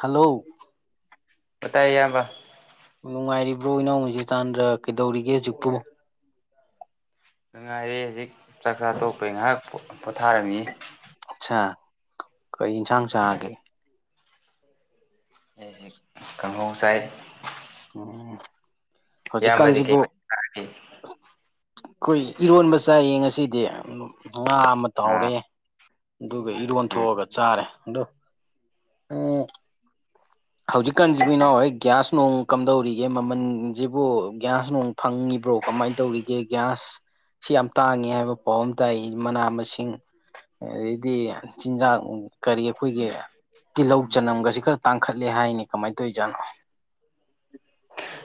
hello ꯄꯥꯏ ꯌꯥ ꯌꯥꯝꯕ ꯅꯨꯡꯉꯥꯏꯔꯤꯕ꯭ꯔꯣ ꯏꯅꯥꯎ ꯖꯤꯆꯥꯟꯗ꯭ꯔ ꯀꯩꯗꯧꯔꯤꯒꯦ ꯍꯧꯖꯤꯛꯄꯨ ꯅꯨꯡꯉꯥꯏꯔꯦ ꯍꯧꯖꯤꯛ ꯆꯥꯛ ꯆꯥ ꯇꯣꯛꯄꯩ ꯉꯥꯏꯍꯥꯛ ꯄꯣꯊꯥꯔꯝꯃꯤ ꯑꯆꯥ ꯀꯩ ꯏꯟꯁꯥꯡ ꯆꯥꯒꯦ ꯑꯩꯁꯦ ꯀꯥꯡꯍꯧ ꯆꯥꯏ ꯎꯝ ꯏꯌꯥꯝꯕꯗꯤ ꯀꯩ ꯍꯧꯖꯤꯛꯀꯥꯟꯖꯤꯕꯨ ꯆꯥꯔꯒꯦ ꯑꯩꯈꯣꯏ ꯏꯔꯣꯟꯕ ꯆꯥꯏꯌꯦ ꯉꯁꯤꯗꯤ ꯉꯥ ꯑꯃ ꯑꯥ ꯇꯥꯎꯔꯦ ꯑꯗꯨꯒ ꯏꯔꯣꯟ ꯎꯝ ꯊꯣꯛꯑꯒ ꯆꯥꯔꯦ ꯑꯗꯣ ꯎꯝ ꯍꯧꯖꯤꯛꯀꯥꯟꯖꯤꯕꯨ ꯏꯅꯥꯎ ꯍꯣꯏ ꯒ꯭ꯌꯥꯁ ꯅꯨꯡ ꯀꯝꯗꯧꯔꯤꯒꯦ ꯃꯃꯟ ꯖꯤꯕꯨ ꯒ꯭ꯌꯥꯁ ꯅꯨꯡ ꯐꯪꯉꯤꯕ꯭ꯔꯣ ꯀꯃꯥꯏ ꯇꯧꯔꯤꯒꯦ ꯒ꯭ꯌꯥꯁ ꯁꯤ ꯌꯥꯝ ꯇꯥꯡꯉꯦ ꯍꯥꯏꯕ ꯄꯥꯎ ꯑꯃ ꯇꯥꯏ ꯃꯅꯥ ꯃꯁꯤꯡ ꯑꯗꯩꯗꯤ ꯆꯤꯟꯖꯥꯛ ꯀꯔꯤ ꯑꯩꯈꯣꯏꯒꯤ ꯇꯤꯜꯍꯧ ꯆꯅꯝꯒꯁꯤ ꯈꯔ ꯇꯥꯡ ꯀꯃꯥꯏ ꯇꫭꯏꯖꯥꯅꯣ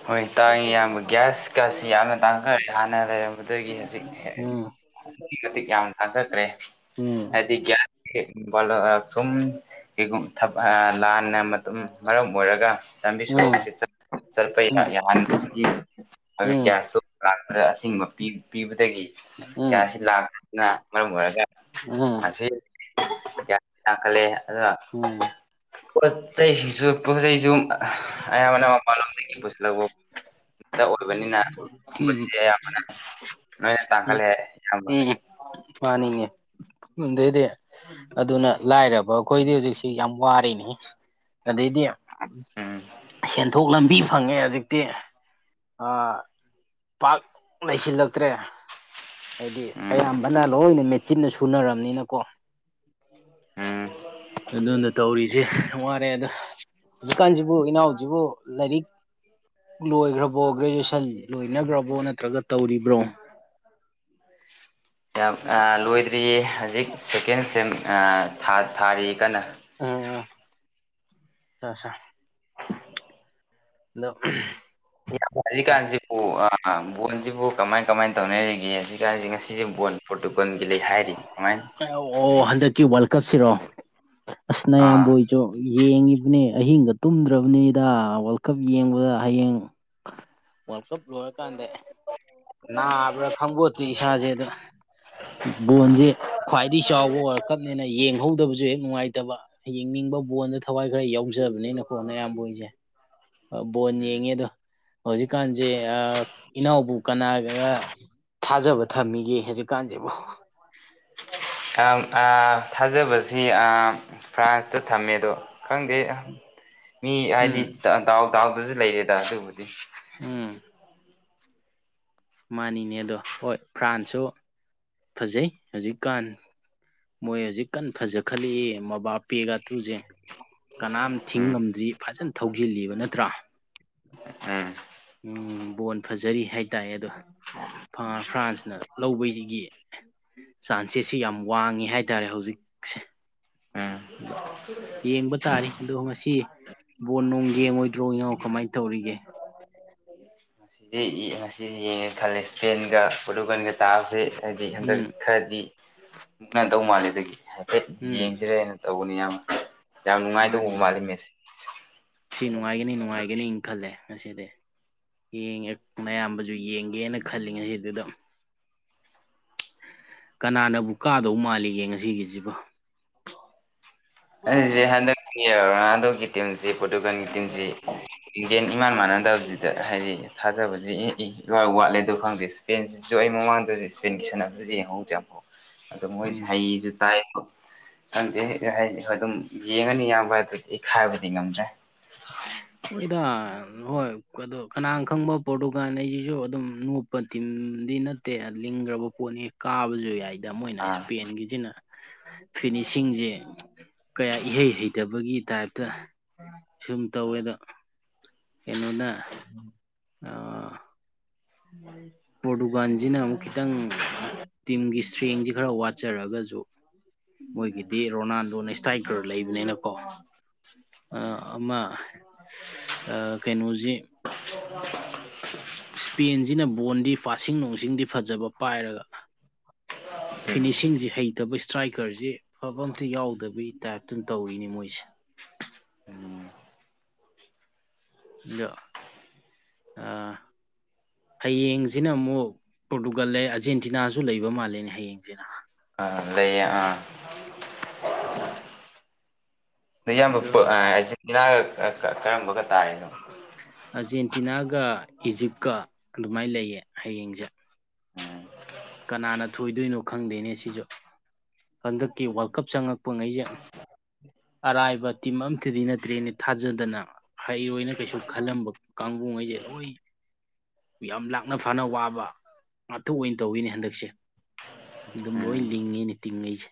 ꯍꯣꯏ ꯇꯥꯡꯉꯤ ꯌꯥꯝꯕ ꯒ꯭ꯌꯥꯁꯀꯁꯤ ꯌꯥꯝꯅ ꯇꯥꯡꯈꯔꯦ ꯍꯥꯟꯅꯔꯦ ꯑꯗꯨꯗꯒꯤ ꯍꯧꯖꯤꯛ ꯑꯛꯀꯤ ꯃꯇꯤꯛ ꯌꯥꯝ ꯇꯥꯖꯈ꯭ꯔꯦ ꯍꯥꯏꯗꯤ ꯂ ꯆꯨꯝ ꯀꯦꯒꯨꯝ ꯊꯕꯛ ꯑ ꯂꯥꯟꯅ ꯃꯇꯝ ꯃꯔꯝ ꯑꯣꯏꯔꯒ ꯂꯝꯕꯤ ꯁꯣꯔꯣꯛꯁꯤ ꯆꯠ ꯁꯜꯄ ꯌꯥ ꯌꯥ ꯑꯗꯨ ꯒ꯭ꯌꯥꯁ ꯏꯁꯇꯣꯞ ꯂꯥꯛꯄꯗ ꯑꯊꯤꯡꯕ ꯄꯤꯕ ꯄꯤꯕꯗꯒꯤ ꯀꯌꯥꯁꯤ ꯂꯥꯛꯄꯁꯤꯅ ꯃꯔꯝ ꯑꯣꯏꯔꯒ ꯑꯁꯤ ꯒ꯭ꯌꯥꯁ ꯇꯥꯡꯈꯠꯂꯦ ꯑꯗꯨꯅ ꯎꯝ ꯄꯣꯠ ꯆꯩꯁꯤꯡꯁꯨ ꯄꯣꯠ ꯆꯩꯩꯁꯨ ꯑꯌꯥꯝꯕꯅ ꯃꯄꯥꯟꯂꯣꯝꯗꯒꯤ ꯄꯨꯁꯤꯜꯂꯛꯄ ꯗ ꯑꯣꯏꯕꯅꯤꯅꯁꯤ ꯑꯌꯥꯝꯕꯅ ꯂꯣꯏꯅ ꯎꯝ ꯇꯥꯡꯈꯠꯂꯦ ꯏꯌꯥꯝꯕ ꯎꯝ ꯃꯥꯅꯤꯅꯦ ꯑꯗꯩꯗꯤ ꯑꯗꯨꯅ ꯂꯥꯏꯔꯕ ꯑꯩꯈꯣꯏꯗꯤ ꯍꯧꯖꯤꯛꯁꯤ ꯌꯥꯝ ꯋꯥꯔꯅꯤ ꯑꯗꯩꯗꯤ ꯎꯝ ꯁꯦꯟꯊꯣꯛ ꯂꯝꯕꯤ ꯐꯪꯉꯦ ꯍꯧꯖꯤꯛꯇꯤ ꯄꯥꯛ ꯂꯩꯁꯤꯜꯂꯛ ꯇ꯭ꯔꯦ ꯍꯥꯏꯗꯤ ꯎꯝ ꯑꯌꯥꯝꯕꯅ ꯂꯣꯏꯅ ꯃꯦꯆꯤꯟꯅ ꯁꯨꯅꯔꯝꯅꯤꯅꯀꯣ ꯎꯝ ꯑꯗꯨꯅ ꯇꯧꯔꯤꯖꯦ ꯌꯥꯝ ꯋꯥꯔꯦꯗ ꯍꯧꯖꯤꯛꯀꯥꯟꯖꯤꯕꯨ ꯏꯅꯥꯎꯖꯤꯕꯨ ꯂꯥꯏꯔꯤꯛ ꯂꯣꯏꯈ꯭ꯔꯕꯣ ꯒ꯭ꯔꯦꯖꯨꯑꯦꯁꯟ ꯂꯣꯏꯅꯈ꯭ꯔꯕꯣ ꯅꯠꯇ꯭ꯔꯒ ꯇꯧꯔꯤꯕ꯭ꯔꯣ [unintelligible] ꯂꯣꯏꯗ꯭ꯔꯤꯌꯦ ꯍꯧꯖꯤꯛ ꯁꯦꯀꯦꯟ ꯁꯦꯝ ꯊꯥꯔꯤ ꯀꯟꯅ ꯎꯝ ꯎꯝ ꯑꯆꯥ ꯁꯥ [inaudible] ꯑ [unintelligible] ꯌꯥꯝ ꯍꯧꯖꯤꯛꯀꯥꯟꯁꯤꯕꯨ ꯑ ꯕꯣꯟꯖꯤꯕꯨ ꯀꯃꯥꯏ ꯀꯃꯥꯏ ꯇꯧꯅꯔꯤ ꯑꯦ ꯑꯁꯤ ꯀꯥꯟꯖꯦ ꯉꯁꯤꯁꯦ ꯕꯣꯟ ꯄꯣꯔꯇꯨꯀꯜꯒꯤ ꯂꯩ ꯍꯥꯏꯔꯤ ꯀꯃꯥꯏꯅ ꯀꯠꯁꯤꯔꯣ ꯑꯁ ꯅꯌꯥꯝꯕ ꯑꯥ ꯍꯣꯏ ꯆꯣ ꯌꯦꯡꯉꯤꯕꯅꯦ ꯑꯍꯤꯡꯒ ꯇꯨꯝꯗ꯭ꯔꯕꯅꯤꯗ ꯋꯥꯔꯜ ꯀꯞ ꯌꯦꯡꯕꯗ ꯍꯌꯦꯡ ꯋꯥꯔꯜ ꯀꯞ ꯂꯣꯏꯔꯀꯥꯟꯗ ꯑꯦ ꯅꯥꯕ꯭ꯔꯥ ꯈꯪꯕꯣꯠꯇꯦ ꯏꯁꯥꯁꯦ ꯑꯗꯣ ꯕꯣꯟꯖꯦ ꯈ꯭ꯋꯥꯏꯗꯩ ꯆꯥꯎꯕ ꯋꯥꯔ ꯀꯞꯅꯦꯅ ꯌꯦꯡꯍꯧꯗꯕꯖꯨ ꯍꯦꯛ ꯅꯨꯡꯉꯥꯏꯇꯕ ꯌꯦꯡꯅꯤꯡꯕ ꯕꯣꯟꯗ ꯊꯋꯥꯏ ꯈꯔ ꯌꯥꯎꯖꯕꯅꯤꯅꯀꯣ ꯅꯌꯥꯝꯕ ꯍꯣꯏꯖꯦ ꯑ ꯕꯣꯟ ꯌꯦꯡꯉꯦ ꯑꯗꯣ ꯍꯧꯖꯤꯛꯀꯥꯟꯁꯦ ꯑ ꯏꯅꯥꯎꯕꯨ ꯀꯅꯥꯒꯒ ꯊꯥꯖꯕ ꯊꯝꯃꯤꯒꯦ ꯍꯧꯖꯤꯛꯀꯥꯟꯁꯤꯕꯨ ꯑ ꯊꯥꯖꯕꯁꯤ ꯑ ꯐ꯭ꯔꯥꯟꯁꯇ ꯊꯝꯃꯦ ꯑꯗꯣ ꯈꯪꯗꯦ ꯃꯤ ꯍꯥꯏꯗꯤ ꯎꯝ ꯗ ꯗꯥꯎ ꯗꯥꯎꯗꯖꯨ ꯂꯩꯔꯦꯗ ꯑꯗꯨꯕꯨꯗꯤ ꯎꯝ ꯃꯥꯅꯤꯅꯦ ꯑꯗꯣ ꯍꯣꯏ ꯐ꯭ꯔꯥꯟꯁꯁꯨ ꯐꯖꯩ ꯍꯧꯖꯤꯛꯀꯥꯟ ꯃꯣꯏ ꯍꯧꯖꯤꯛꯀꯥꯟ ꯐꯖꯈꯠꯂꯛꯏ ꯃꯕꯥ ꯄꯦꯒ ꯇꯨꯁꯦ ꯀꯅꯥꯝ ꯎꯝ ꯊꯤꯡꯉꯝꯗ꯭ꯔꯤ ꯐꯖꯅ ꯊꯧꯖꯤꯜꯂꯤꯕ ꯅꯠꯇ꯭ꯔꯥ ꯎꯝ ꯎꯝ ꯕꯣꯟ ꯐꯖꯔꯤ ꯍꯥꯏꯇꯥꯏꯌꯦ ꯑꯗꯣ ꯐꯔꯥ ꯐ꯭ꯔꯥꯟꯁꯅ ꯂꯧꯕꯩꯖꯤꯒꯤ ꯆꯥꯟꯁꯦꯁꯁꯤ ꯌꯥꯝ ꯋꯥꯡꯉꯤ ꯍꯥꯏꯇꯥꯔꯦ ꯍꯧꯖꯤꯛꯁꯦ ꯎꯝ ꯌꯦꯡꯕ ꯇꯥꯔꯤ ꯑꯗꯣ ꯉꯁꯤ ꯕꯣꯜ ꯅꯨꯡ ꯌꯦꯡꯉꯣꯏꯗ꯭ꯔꯣ ꯏꯅꯥꯎ ꯀꯃꯥꯏ ꯇꯧꯔꯤꯒꯦ ꯖꯦ ꯏ ꯉꯁꯤꯗꯤ ꯌꯦꯡꯉꯦ ꯈꯜꯂꯦ ꯏꯁꯄꯦꯟꯒ ꯄꯔꯣꯇꯨꯒꯟꯒ ꯇꯥꯕꯁꯦ ꯍꯥꯏꯗꯤ ꯍꯟꯗꯛ ꯎꯝ ꯈꯔꯗꯤ ꯃꯨꯛꯅꯗꯧ ꯃꯥꯜꯂꯦ ꯑꯗꯨꯒꯤ ꯍꯥꯏꯐꯦꯠ ꯎꯝ ꯌꯦꯡꯁꯤꯔꯦꯅ ꯇꯧꯕꯅꯤ ꯌꯥꯝ ꯌꯥꯝ ꯅꯨꯡꯉꯥꯏꯇꯧꯕ ꯃꯥꯅꯤ ꯃꯥꯜꯂꯤ ꯃꯦꯁꯦ ꯁꯤ ꯅꯨꯡꯉꯥꯏꯒꯅꯤ ꯅꯨꯡꯉꯥꯏꯒꯅꯤ ꯈꯜꯂꯦ ꯉꯁꯤꯗꯤ ꯌꯦꯡꯉꯦ ꯃꯌꯥꯝꯕꯁꯨ ꯌꯦꯡꯒꯦꯅ ꯈꯜꯂꯤꯉꯩꯁꯤꯗ ꯗꫭ ꯀꯅꯥꯅꯕꯨ ꯀꯥꯗꯧ ꯃꯥꯜꯂꯤꯒꯦ ꯉꯁꯤꯒꯤꯖꯤꯕꯣ ꯑꯩꯁꯤ ꯍꯟꯗꯛꯀꯤ ꯔꯣꯅꯥꯜꯗꯣꯒꯤ ꯇꯤꯝꯁꯤ ꯄꯣꯔꯇꯨꯒꯥꯟꯒꯤ ꯇꯤꯝꯁꯤ ꯂꯤꯡꯖꯦꯟ ꯏꯃꯥꯟ ꯃꯥꯟꯅꯗꯕꯖꯤꯗ ꯍꯥꯏꯗꯤ ꯊꯥꯖꯕꯖꯦ ꯏꯪ ꯏ ꯏꯋꯥꯠ ꯋꯥꯠꯂꯦ ꯑꯗꯨ ꯈꯪꯗꯦ ꯏꯁꯄꯦꯟꯁꯤꯁꯨ ꯑꯩ ꯃꯃꯥꯡꯗꯁꯨ ꯏꯁꯄꯦꯟꯒꯤ ꯁꯥꯟꯅꯕꯗꯨꯁꯨ ꯌꯦꯡꯍꯧꯗ꯭ꯔꯦ ꯑꯃꯐꯥꯎ ꯑꯗꯣ ꯃꯣꯏꯁꯦ ꯎꯝ ꯍꯩꯁꯨ ꯇꯥꯏ ꯈꯪꯗꯦ ꯍꯥꯏꯁ ꯑꯗꯨꯝ ꯌꯦꯡꯉꯅꯤ ꯏꯌꯥꯝꯕ ꯑꯗꯨꯗꯤ ꯈꯥꯏꯕꯗꯤ ꯉꯝꯗ꯭ꯔꯦ [unintelligible] ꯍꯣꯏꯗ ꯍꯣꯏ ꯑꯣ ꯀꯅꯥ ꯈꯪꯕ ꯄꯣꯔꯇꯨꯒꯥꯟ ꯍꯥꯏꯁꯤꯁꯨ ꯑꯗꯨꯝ ꯅꯣꯄ ꯇꯤꯝꯗꯤ ꯅ ꯇꯦ ꯂꯤꯒ꯭ꯔꯕ ꯄꫭꯠꯅꯤ ꯀꯥꯕꯖꯨ ꯌꯥꯏ ꯌꯥꯝ ꯃꯣꯏꯅ ꯑꯥ ꯏꯁꯄꯦꯟꯒꯤꯖꯤꯅ ꯐꯤꯅꯤꯁꯤꯡꯖꯦ ꯀꯌꯥ ꯏꯍꯩ ꯍꯩꯇꯕꯒꯤ ꯇꯥꯏꯞꯇ ꯁꯨꯝ ꯇꯧꯋꯦ ꯑꯗꯣ ꯀꯩꯅꫭꯅ ꯑꯥ ꯄꯔꯣꯇꯨꯒꯥꯟꯖꯤꯅ ꯑꯃꯨꯛ ꯈꯤꯇꯪ ꯇꯤꯝꯒꯤ ꯏꯁꯇ꯭ꯔꯦꯡꯁꯤ ꯈꯔ ꯋꯥꯠ ꯆꯠꯆꯔꯒꯁꯨ ꯃꯣꯏꯒꯤꯗꯤ ꯔꯣꯅꯥꯜꯗꯣꯅ ꯏꯁꯇꯥꯏꯀꯔ ꯂꯩꯕꯅꯤꯅꯀꯣ ꯑꯥ ꯎꯝ ꯑꯃ ꯀꯩꯅꯣꯁꯤ [inaudible] ꯏꯁꯄꯦꯟꯁꯤꯅ ꯕꯣꯟꯗꯤ ꯄꯥꯁꯤꯡ ꯅꯨꯡꯁꯤꯡꯗꯤ ꯐꯖꯕ ꯄꯥꯏꯔꯒ ꯎꯝ ꯐꯤꯅꯤꯁꯤꯡꯁꯤ ꯍꯩ ꯇꯕꯨ ꯏꯁꯇ꯭ꯔꯥꯏꯀꯔꯁꯤ ꯑꯐꯕ ꯑꯝꯇ ꯌꯥꯎꯗꯕꯒꯤ ꯇꯥꯏꯞꯇꯝ ꯇꯧꯔꯤꯅꯦ ꯃꯣꯏꯁꯦ ꯎꯝ ꯑꯥ ꯍꯌꯦꯡꯖꯤꯅ ꯑꯃꯨꯛ ꯄꯣꯔꯇꯨꯒꯜ ꯂꯩ ꯑꯥꯔꯖꯦꯟꯇꯤꯅꯥꯖꯨ ꯂꯩꯕ ꯃꯥꯜꯂꯦꯅꯦ ꯍꯌꯦꯡꯖꯤꯅ ꯑꯥ ꯂꯩꯌꯦ ꯑꯥ [inaudible] ꯏꯌꯥꯝꯕ ꯑꯗꯣ ꯑꯔꯖꯦꯟꯇꯤꯅꯥꯒ ꯀꯔꯝꯕꯒ ꯇꯥꯔꯦꯅꯣ ꯑꯔꯖꯦꯟꯇꯤꯅꯥꯒ ꯏꯖꯤꯞꯀ ꯑꯗꯨꯃꯥꯏꯅ ꯂꯩꯌꯦ ꯍꯌꯦꯡꯁꯦ ꯑꯥ ꯀꯅꯥꯅ ꯊꯣꯏꯗꯣꯏꯅꯣ ꯈꯪꯗꯦꯅꯦ ꯁꯤꯖꯨ ꯍꯟꯗꯛꯀꯤ ꯋꯥꯔꯜ ꯀꯞ ꯆꯪꯉꯛ ꯄꯨꯡꯉꯩꯁꯦ ꯑꯔꯥꯏꯕ ꯇꯤꯝ ꯑꯝꯇꯗꯤ ꯅꯠꯇ꯭ꯔꯦꯅꯦ ꯊꯥꯖꯗꯅ ꯍꯩꯔꯣꯏꯅ ꯀꯩꯁꯨ ꯈꯜꯂꯝꯕ ꯀꯥꯡꯕꯨꯉꯩꯁꯦ ꯂꯣꯏ ꯌꯥꯝ ꯂꯥꯛꯅ ꯐꯥꯅ ꯋꯥꯕ ꯉꯥꯛꯇ ꯑꯣꯏ ꯇꯧꯋꯤꯅꯦ ꯍꯟꯗꯛꯁꯦ ꯑꯗꯨꯝ ꯎꯝ ꯂꯣꯏ ꯂꯤꯡꯉꯤꯅꯦ ꯇꯤꯡꯉꯩꯖꯦ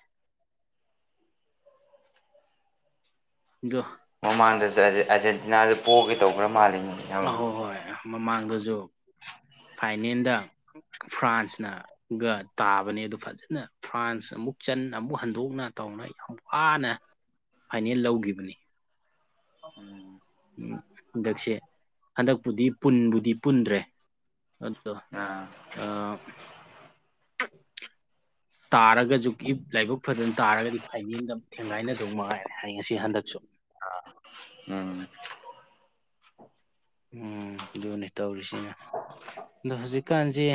ꯗꫭ ꯃꯃꯥꯡꯗꯁꯨ ꯑꯥꯔꯖꯦꯟ ꯑꯥꯔꯖꯦꯟꯇꯤꯅꯥꯁꯨ ꯄꯣꯛꯒꯦ ꯇꯧꯕ꯭ꯔꯥ ꯃꯥꯜꯂꯤ ꯑ ꯍꯣꯏ ꯍꯣꯏ ꯃꯃꯥꯡꯗꯁꯨ ꯐꯥꯏꯅꯦꯜꯗ ꯐ꯭ꯔꯥꯟꯁꯅ ꯒ ꯇꯥꯕꯅꯦ ꯑꯗꯨ ꯐꯖꯅ ꯐ꯭ꯔꯥꯟꯁ ꯑꯃꯨꯛ ꯆꯟꯅ ꯑꯃꯨꯛ ꯍꯟꯗꯣꯛꯅ ꯇꯧꯅ ꯌꯥꯝ ꯋꯥꯅ ꯐꯥꯏꯅꯦꯜ ꯂꯧꯒꯤꯈꯤꯕꯅꯤ ꯎꯝ ꯎꯝ ꯍꯟꯗꯛꯁꯦ ꯍꯟꯗꯛꯄꯨꯗꯤ ꯄꯨꯟꯕꯨꯗꯤ ꯄꯨꯟꯗ꯭ꯔꯦ ꯑꯣ ꯑꯥ ꯑ ꯇꯥꯔꯒꯁꯨ ꯂꯥꯏꯕꯛ ꯐꯖꯅ ꯇꯥꯔꯒꯗꯤ ꯐꯥꯏꯅꯦꯗ ꯊꯦꯡꯒꯥꯏꯅꯗꯧ ꯃꯉꯥꯏꯔꯦ ꯍꯥꯏ ꯉꯁꯤ ꯍꯟꯗꯛꯁꯨ ꯎꯝ ꯎꯝ ꯑꯗꯨꯅꯤ ꯇꯧꯔꯤꯁꯤꯅ ꯑꯗꯣ ꯍꯧꯖꯤꯛꯀꯥꯟꯁꯤ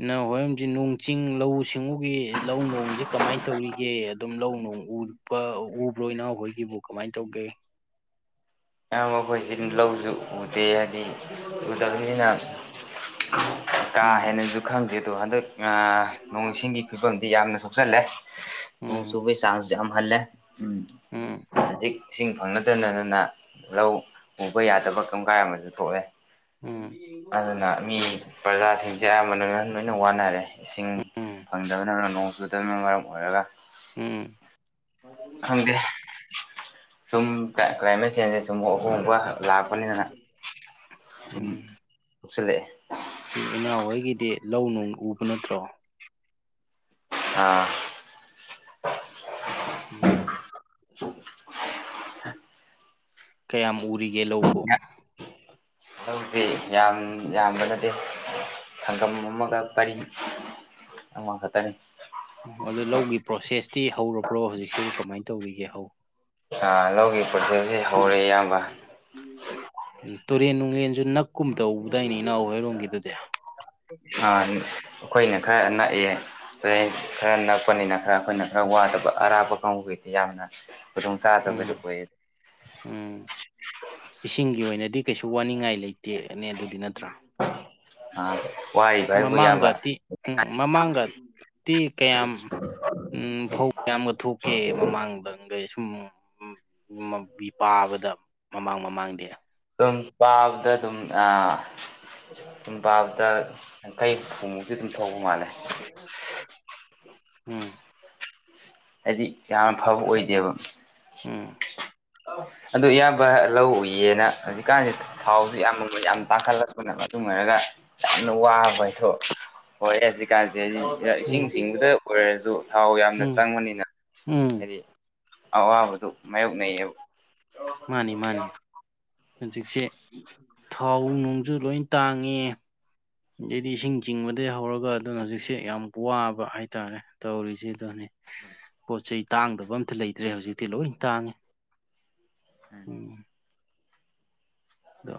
ꯏꯅꯥꯎ ꯍꯣꯏꯔꯝꯗꯤ ꯅꯣꯡ ꯆꯤꯡ ꯂꯧꯎ ꯁꯤꯡꯎꯒꯤ ꯂꯧ ꯅꯣꯡꯖꯤ ꯀꯃꯥꯏ ꯇꯧꯔꯤꯒꯦ ꯑꯗꯨꯝ ꯂꯧ ꯅꯣꯡ ꯎꯔ ꯄꯥ ꯎꯕ꯭ꯔꯣ ꯏꯅꯥꯎ ꯍꯣꯏꯒꯤꯕꯨ ꯀꯃꯥꯏꯅ ꯇꯧꯒꯦ ꯏꯌꯥꯝꯕꯥ ꯑꯩꯈꯣꯏꯁꯤ ꯂꯧꯁꯨ ꯎꯗꯦ ꯍꯥꯏꯗꯤ ꯎꯗꯕꯅꯤꯅ ꯀꯥ ꯎꯝ ꯍꯦꯟꯅꯁꯨ ꯈꯪꯗꯦꯗꯣ ꯍꯟꯗꯛ ꯅꯣꯡꯁꯤꯡꯒꯤ ꯐꯤꯕꯝꯗꯤ ꯌꯥꯝꯅ ꯁꯣꯛꯆꯜꯂꯦ ꯅꯣꯡ ꯎꯝ ꯆꯨꯕꯒꯤ ꯆꯥꯡ ꯌꯥꯝꯍꯜꯂꯦ ꯎꯝ ꯎꯝ ꯍꯧꯖꯤꯛ ꯏꯁꯤꯡ ꯐꯪꯅꯗꯗꯥꯅꯥ ꯂꯧ ꯎꯕ ꯌꯥꯗꯕ ꯀꯝ ꯀꯥꯏ ꯑꯃꯁꯨ ꯊꯣꯛꯑꯦ ꯎꯝ ꯑꯗꯨꯅ ꯃꯤ ꯄ꯭ꯔꯖꯥꯁꯤꯡꯁꯦ ꯑꯌꯥꯝꯃꯅ ꯂꯣꯏꯅ ꯋꯥꯅꯔꯦ ꯏꯁꯤꯡ ꯎꯝ ꯐꯪꯗꯕꯅꯅ ꯅꯣꯡ ꯆꯨꯗꯕꯅ ꯃꯔꯝ ꯑꯣꯏꯔꯒ ꯎꯝ ꯈꯪꯗꯦ ꯁꯨꯝ ꯀ꯭ꯂꯥꯏꯃꯦꯠ ꯆꯦꯟꯖꯦ ꯁꯨꯝ ꯑꯍꯣꯡꯕ ꯂꯥꯛꯄꯅꯤꯗꯅ ꯁꯨꯝ ꯊꯣꯛꯆꯤꯜꯂꯛꯑꯦ ꯏꯅꯥꯎ ꯍꯣꯏꯒꯤꯗꯤ ꯂꯧ ꯅꯣꯡ ꯎꯕ ꯅꯠꯇ꯭ꯔꯣ ꯑꯥ ꯎꯝ ꯑꯣ ꯀꯌꯥꯝ ꯎꯔꯤꯒꯦ ꯂꯧꯕ ꯂꯧꯁꯤ ꯌꯥꯝ ꯌꯥꯝꯕ ꯅꯠꯇꯦ ꯁꯪꯒꯝ ꯑꯃꯒ ꯄꯔꯤꯡ ꯑꯃ ꯈꯛꯇꯅꯤ ꯎ ꯑꯗꯨ ꯂꯧꯒꯤ ꯄ꯭ꯔꯣꯁꯦꯁꯇꯤ ꯍꯧꯔꯕ꯭ꯔꯣ ꯍꯧꯖꯤꯛꯁꯤꯕꯨ ꯀꯃꯥꯏꯅ ꯇꯧꯔꯤꯒꯦ ꯍꯧ ꯂꯧꯒꯤ ꯄ꯭ꯔꯣꯁꯦꯁꯁꯤ ꯍꯧꯔꯦ ꯏꯌꯥꯝꯕ ꯎꯝ ꯇꯨꯔꯦꯟ ꯅꯨꯡꯡꯂꯦꯟꯁꯨ ꯅꯛꯀꯨꯝ ꯇꯧꯕꯗꯥꯏꯅꯦ ꯏꯅꯥꯎ ꯍꯩꯔꯣꯝꯒꯤꯗꯨꯗꯤ ꯑꯩꯈꯣꯏꯅ ꯈꯔ ꯅꯛꯑꯦ ꯑꯗꯩ ꯈꯔ ꯅꯛꯄꯅꯤꯅ ꯈꯔ ꯑꯩꯈꯣꯏꯅ ꯈꯔ ꯋꯥꯗꯕ ꯑꯔꯞꯄꯥ ꯀꯥꯡꯕꯨꯒꯤꯗꯤ ꯌꯥꯝꯅ ꯎꯝ ꯈꯨꯗꯣꯡꯆꯥꯗꯕꯗꯨ ꯑꯣꯏꯌꯦ ꯎꯝ ꯏꯁꯤꯡꯒꯤ ꯑꯣꯏꯅꯗꯤ ꯀꯩꯁꯨ ꯋꯥꯅꯤꯡꯉꯥꯏ ꯂꯩꯇꯦꯅꯦ ꯑꯗꯨꯗꯤ ꯅꯠꯇ꯭ꯔꯥ ꯑ ꯋꯥꯔꯤꯕꯥ ꯍꯥꯏꯕꯨ ꯏꯌꯥꯝꯕꯥ ꯃꯃꯥꯡꯒꯗꯤ ꯇꯤ ꯀꯌꯥꯝ ꯎꯝ ꯐꯧ ꯀꯌꯥꯝꯒ ꯊꯣꯛꯀꯦ ꯃꯃꯥꯡꯗꯒꯩ ꯁꯨꯝ ꯕꯤ ꯄꯥꯕꯗ ꯃꯃꯥꯡ ꯃꯃꯥꯡꯗꯤ ꯑꯗꯨꯝ ꯄꯥꯕꯗ ꯑꯗꯨꯝ ꯑ ꯁꯨꯝ ꯄꯥꯕꯗ ꯌꯥꯡꯈꯩ ꯍꯨꯝꯐꯨꯃꯨꯛꯇꯤ ꯑꯗꯨꯝ ꯊꯧꯕ ꯃꯥꯜꯂꯦ ꯎꯝ ꯍꯥꯏꯗꯤ ꯌꯥꯝ ꯐꯕ ꯑꯣꯏꯗꯦꯕ ꯎꯝ ꯑꯗꯨ ꯏꯌꯥꯝꯕ ꯂꯧ ꯎꯏꯌꯦꯅ ꯍꯧꯖꯤꯛꯀꯥꯟꯁꯦ ꯊꯥꯎꯁꯤ ꯌꯥꯝ ꯃꯃꯜ ꯌꯥꯝ ꯇꯥꯡꯈꯠꯂꯦ ꯑꯗꯨꯅ ꯃꯇꯨꯡ ꯑꯣꯏꯔꯒ ꯌꯥꯝꯅ ꯋꯥꯕ ꯍꯥꯏꯗꯣ ꯑꯣꯏꯔꯦ ꯍꯧꯖꯤꯛꯀꯥꯟꯁꯦ ꯏꯁꯤꯡ ꯎꯝ ꯆꯤꯡꯕꯗ ꯑꯣꯏꯔꯁꯨ ꯊꯥꯎ ꯌꯥꯝꯅ ꯎꯝ ꯆꯪꯕꯅꯤꯅ ꯎꯝ ꯍꯥꯏꯗꯤ ꯑꯋꯥꯕꯗꯨ ꯃꯥꯏꯌꯣꯛꯅꯩꯌꯦꯕ ꯃꯥꯅꯤ ꯃꯥꯅꯤ ꯍꯧꯖꯤꯛꯁꯦ ꯊꯥꯎ ꯅꯨꯡꯁꯨ ꯂꯣꯏ ꯇꯥꯡꯉꯦ ꯑꯗꯩꯗꯤ ꯏꯁꯤꯡ ꯆꯤꯡꯕꯗꯒꯤꯩ ꯍꯧꯔꯒ ꯑꯗꯨꯅ ꯍꯧꯖꯤꯛꯁꯦ ꯌꯥꯝ ꯋꯥꯕ ꯍꯥꯏꯇꯥꯔꯦ ꯇꯧꯔꯤꯁꯦ ꯑꯗꯨꯅꯤ ꯄꯣꯠ ꯆꯩ ꯇꯥꯡꯗꯕ ꯑꯝꯇ ꯂꯩꯇ꯭ꯔꯦ ꯍꯧꯖꯤꯛꯇꯤ ꯂꯣꯏ ꯇꯥꯡꯉꯦ ꯎꯝ ꯑꯗꯣ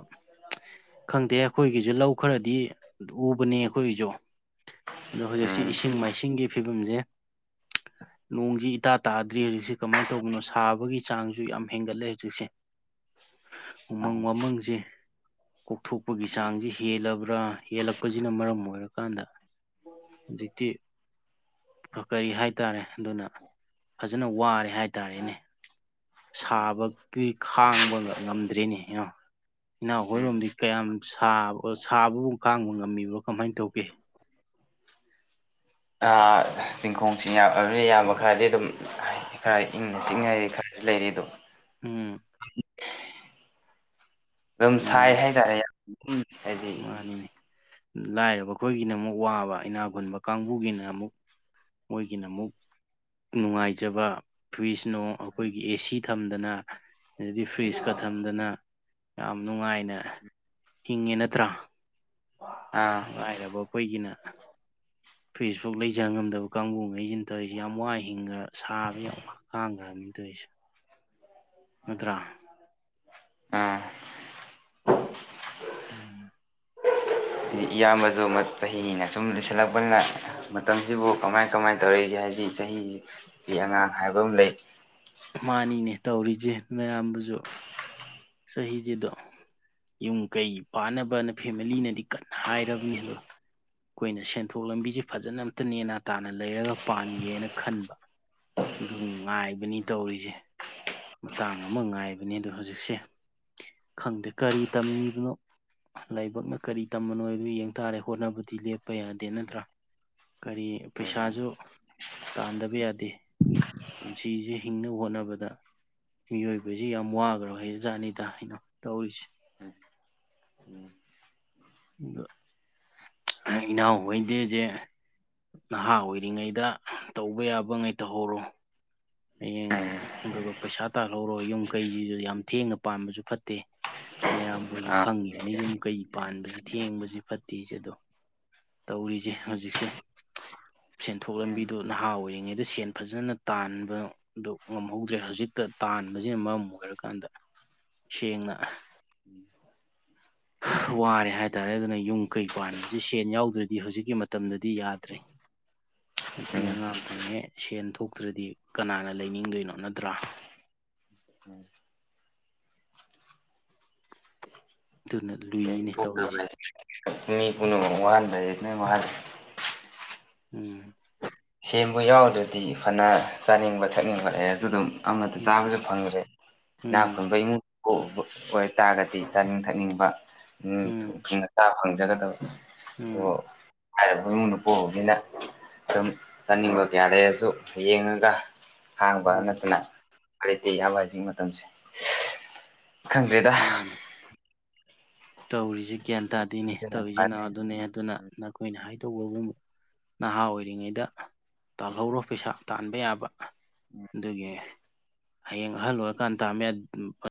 ꯈꯪꯗꯦ ꯑꯩꯈꯣꯏꯒꯤꯁꯨ ꯂꯧ ꯈꯔꯗꯤ ꯎꯕꯅꯦ ꯑꯩꯈꯣꯏꯒꯤꯁꯨ ꯑꯗꯣ ꯍꯧꯖꯤꯛꯁꯤ ꯎꯝ ꯏꯁꯤꯡ ꯃꯥꯏꯁꯤꯡꯒꯤ ꯐꯤꯕꯝꯁꯦ ꯅꯣꯡꯁꯤ ꯏꯇꯥ ꯇꯥꯗ꯭ꯔꯤ ꯍꯧꯖꯤꯛꯁꯦ ꯀꯃꯥꯏꯅ ꯇꯧꯕꯅꯣ ꯁꯥꯕꯒꯤ ꯆꯥꯡꯁꯨ ꯌꯥꯝ ꯍꯦꯟꯒꯠꯂꯦ ꯍꯧꯖꯤꯛꯁꯦ ꯎꯃꯪ ꯋꯥꯃꯪꯁꯦ ꯀꯣꯛꯊꯣꯛꯄꯒꯤ ꯆꯥꯡꯁꯤ ꯍꯦꯜꯂꯕ꯭ꯔꯥ ꯍꯦꯜꯂꯛꯄ ꯄꯁꯤꯅ ꯃꯔꯝ ꯑꯣꯏꯔꯀꯥꯟꯗ ꯍꯧꯖꯤꯛꯇꯤ ꯀꯔꯤ ꯍꯥꯏꯇꯥꯔꯦ ꯑꯗꯨꯅ ꯐꯖꯅ ꯋꯥꯔꯦ ꯍꯥꯏꯇꯥꯔꯦꯅꯦ ꯁꯥꯕꯒꯤ ꯈꯥꯡꯕ ꯉꯝꯗ꯭ꯔꯦ ꯅꯦ ꯏꯅꯥꯎ ꯎꯝ ꯏꯅꯥꯎꯈꯣꯏꯔꯣꯝꯗꯤ ꯀꯌꯥꯝ ꯁꯥꯕ ꯁꯥꯕꯕꯨ ꯀꯥꯡꯥꯡꯕ ꯉꯝꯃꯤꯕ꯭ꯔꯣ ꯀꯃꯥꯏꯅ ꯇꯧꯒꯦ ꯆꯤꯡꯈꯣꯡ ꯆ ꯌꯥꯕ ꯈꯔꯗꯤ ꯑꯗꯨꯝ ꯈꯔ ꯏꯪꯅ ꯆꯤꯅꯔꯤ ꯈꯔ ꯂꯩꯔꯤꯗꯣ ꯎꯝ ꯑꯗꯨꯝ ꯁꯥꯏ ꯎꯝ ꯍꯥꯏꯇꯥꯔꯦ ꯌꯥꯝ ꯍꯥꯏꯗꯤ ꯃꯥꯅꯤꯅꯦ ꯂꯥꯏꯔꯕ ꯈꯈꯣꯏꯒꯤꯅ ꯑꯃꯨꯛ ꯋꯥꯕ ꯏꯅꯥ ꯈꯨꯨꯟꯕ ꯀꯥꯡꯕꯨꯒꯤꯅ ꯑꯃꯨꯛ ꯃꯣꯏꯒꯤꯅ ꯑꯃꯨꯛ ꯅꯨꯡꯉꯥꯏꯖꯕ ꯐ꯭ꯋꯏꯤꯁꯅꯣ ꯑꯩꯈꯣꯏꯒꯤ ꯑꯦꯁꯤ ꯊꯝꯗꯅ ꯑꯗꯗꯤ ꯐ꯭ꯔꯤꯖꯀ ꯊꯝꯗꯅ ꯌꯥꯝ ꯅꯨꯡꯉꯥꯏꯅ ꯍꯤꯡꯉꯦꯅ ꯭ [unintelligible] ꯑꯥ ꯔ ꯑꯩꯈꯣꯏꯒꯤꯅ ꯐꯔ꯭ꯤꯁꯕꯨꯛ ꯂꯩꯖ ꯉꯝꯗꯕ ꯀꯥꯡꯕꯨꯉꯩꯁꯤꯅ ꯇꯧꯔꯤꯁꯤꯦ ꯌꯥꯝ ꯋꯥ ꯍꯤꯡꯈ꯭ꯔ ꯁꯥꯕ ꯌꯥꯝ ꯋꯥ ꯀꯥꯡꯥꯡꯈ꯭ꯔꯕꯅꯤꯗꯣꯏꯁꯦ ꯅꯠꯇ꯭ꯔꯥ ꯑꯥ ꯎꯝ ꯏꯌꯥꯝꯕꯁꯨ ꯆꯍꯤꯅ ꯁꯨꯝ ꯂꯤꯁꯤꯜꯂꯛꯄꯅꯤꯅ ꯃꯇꯝꯁꯤꯕꯨ ꯀꯃꯥꯏ ꯀꯃꯥꯏꯅ ꯇꯧꯔꯛꯏꯒꯦ ꯍꯥꯏꯕꯗꯤ ꯆꯍꯤꯒꯤ ꯑꯉꯥꯡ ꯍꯥꯏꯕ ꯑꯃ ꯂꯩ ꯃꯥꯅꯤꯅꯦ ꯇꯧꯔꯤꯁꯦ ꯅꯥꯌꯥꯝꯕꯁꯨ ꯆꯍꯤꯁꯤꯗꯣ ꯌꯨꯝ ꯀꯩ ꯄꯥꯟꯅꯕꯅ ꯐꯦꯃꯤꯂꯤꯅꯗꯤ ꯀꯟꯅ ꯍꯥꯏꯔꯕꯅꯤ ꯑꯗꯣ ꯑꯩꯈꯣꯏꯅ ꯁꯦꯟꯊꯣꯛ ꯂꯝꯕꯤꯁꯦ ꯐꯖꯅ ꯑꯝꯇ ꯅꯦꯅꯥ ꯇꯥꯅ ꯂꯩꯔꯒ ꯄꯥꯟꯒꯦꯅ ꯈꯟꯕ ꯑꯗꯨꯝ ꯉꯥꯏꯕꯅꯤ ꯇꯧꯔꯤꯁꯦ ꯃꯇꯥꯡ ꯑꯃ ꯉꯥꯏꯕꯅꯦ ꯑꯗꯣ ꯍꯧꯖꯤꯛꯁꯦ ꯈꯪꯗꯦ ꯀꯔꯤ ꯇꯝꯃꯤꯕꯅꯣ ꯂꯥꯏꯕꯛꯅ ꯀꯔꯤ ꯇꯝꯝꯕꯅꯣ ꯍꯥꯏꯕꯣ ꯌꯦꯡ ꯇꯥꯔꯦ ꯍꯣꯠꯅꯕꯗ ꯂꯦꯞꯄ ꯌꯥꯗꯦ ꯅꯠꯇ꯭ꯔꯥ ꯀꯔꯤ ꯄꯩꯁꯥꯁꯨ ꯇꯥꯟꯗꯕ ꯌꯥꯗꯦ ꯄꯨꯟꯁꯤꯁꯦ ꯍꯤꯡꯅꯕ ꯍꯣꯠꯅꯕꯗ ꯃꯤꯑꯣꯏꯕꯁꯤ ꯌꯥꯝ ꯋꯥꯈ꯭ꯔꯣꯏ ꯍ ꯑꯣꯖꯥꯠꯅꯤꯗ ꯍꯥꯏꯅ ꯇꯧꯔꯤꯁꯦ ꯏ [inaudible] ꯏꯅꯥꯎ ꯑꯣꯏꯗꯤ ꯁꯦ ꯅꯍꯥ ꯑꯣꯏꯔꯤꯉꯩꯗ ꯇꯧꯕ ꯌꯥꯕ ꯉꯩ ꯇꯧꯍꯧꯔꯣ ꯍꯌꯦꯡ ꯑꯗꯨꯒ ꯄꯩꯁꯥ ꯇꯥꯜꯍꯧꯔꯣ ꯌꯨꯝ ꯀꯩꯁꯤꯁꯨ ꯌꯥꯝ ꯊꯦꯡꯅ ꯄꯥꯟꯕꯥꯁꯤꯁꯨ ꯐꯠꯇꯦ ꯃꯌꯥꯝꯈꯣꯏꯁꯨ ꯈꯪꯉꯤꯕꯅꯦ ꯌꯨꯝ ꯀꯩ ꯄꯥꯟꯕꯁꯤ ꯊꯦꯡꯕꯁꯤ ꯐꯠꯇꯦꯁꯦ ꯑꯗꯣ ꯇꯧꯔꯤꯁꯦ ꯍꯧꯖꯤꯛꯁꯦ ꯁꯦꯟꯊꯣꯛ ꯂꯝꯕꯤꯗ ꯅꯍꯥ ꯑꯣꯏꯔꯤꯉꯩꯗ ꯁꯦꯟ ꯐꯖꯅ ꯇꯥꯟꯕ ꯑꯗꯨ ꯉꯝꯍꯧꯗ꯭ꯔꯦ ꯍꯧꯖꯤꯛꯇ ꯇꯥꯟꯕꯁꯤꯅ ꯃꯔꯝ ꯑꯣꯏꯔꯀꯥꯟꯗ ꯁꯦꯡꯅ ꯎꯝ ꯋꯥꯔꯦ ꯍꯥꯏꯇꯥꯔꯦ ꯑꯗꯨꯅ ꯌꯨꯝ ꯀꯩ ꯄꯥꯟꯕꯁ ꯁꯦꯟ ꯌꯥꯎꯗ꯭ꯔꯗꯤ ꯍꯧꯖꯤꯛꯀꯤ ꯃꯇꯝꯗꯗꯤ ꯌꯥꯗ꯭ꯔꯦ ꯅꯨꯄꯤ ꯎꯝ ꯎꯝ ꯑꯉꯥꯡ ꯐꯪꯉꯦ ꯁꯦꯟ ꯊꯣꯛꯇ꯭ꯔꯗꯤ ꯀꯅꯥꯅ ꯂꯩꯅꯤꯡꯗꯣꯏꯅꯣ ꯅꯠꯇ꯭ꯔꯥ ꯑꯗꯨꯅ ꯁꯦꯟ ꯂꯨꯏꯅꯦ ꯇꯧꯔꯤꯁꯦ ꯊꯣꯛꯇꯕ ꯍꯥꯏꯁꯦ ꯃꯤ ꯄꯨꯝꯅꯃꯛ ꯋꯍꯥꯟ [unintelligible] ꯋꯍꯥꯟꯂꯤ ꯎꯝ ꯁꯦꯟꯕꯨ ꯌꯥꯎꯗ꯭ꯔꯗꯤ ꯐꯅ ꯆꯥꯅꯤꯡꯕ ꯊꯛꯅꯤꯡꯕ ꯂꯩꯔꯁꯨ ꯑꯗꯨꯝ ꯑꯃꯠꯇ ꯎꯝ ꯆꯥꯕꯁꯨ ꯐꯪꯗ꯭ꯔꯦ ꯏꯅꯥꯛ ꯎꯝ ꯈꯨꯟꯕ ꯏꯃꯨꯡ [unintelligible] ꯑꯣꯏꯇꯥꯔꯒꯗꯤ ꯆꯥꯅꯤꯡ ꯊꯛꯅꯤꯡꯕ ꯎꯝ ꯊꯨꯅ ꯆꯥꯕ ꯐꯪꯖꯒꯗꯕ ꯑꯗꯣ ꯎꯝ ꯂꯥꯏꯔꯕ ꯏꯃꯨꯡꯅ ꯄꯣꯛꯎꯕꯅꯤꯅ ꯑꯗꯨꯝ ꯆꯥꯅꯤꯡꯕ ꯀꯌꯥ ꯂꯩꯔꯁꯨ ꯌꯦꯡꯉꯒ ꯈꯥꯡꯕ ꯎꯝ ꯅꯠꯇꯅ ꯎꯄꯥꯏ ꯂꯩꯇꯦ ꯏꯌꯥꯝꯕꯁꯤꯡ ꯃꯇꯝꯁꯦ ꯈꯪꯗ꯭ꯔꯦꯗ ꯃꯥꯅꯦ ꯇꯧꯔꯤꯁꯦ ꯒ꯭ꯌꯥꯟ ꯇꯥꯗꯤꯅꯦ ꯇꯧꯔꯤꯁꯤ ꯅꯅꯥꯎ ꯑꯗꯨꯅꯦ ꯑꯗꯨꯅ ꯅꯈꯣꯏꯅ ꯍꯥꯏꯗꯧꯕꯒꯨꯝ ꯅꯍꯥ ꯑꯣꯏꯔꯤꯉꯩꯗ ꯇꯥꯜꯍꯧꯔꯣ ꯄꯩꯁꯥ ꯇꯥꯟꯕ ꯌꯥꯕ ꯑꯗꯨꯒꯤ ꯍꯌꯦꯡ ꯑꯍꯜ ꯑꯣꯏꯔꯀꯥꯟ ꯇꯥꯟꯕ [unintelligible]